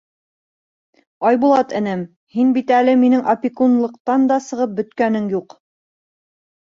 — Айбулат энем, һин бит әле минең опекунлыҡтан да сығып бөткәнең юҡ.